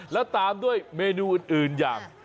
แล้วตามด้วยเมนูอื่นอย่าง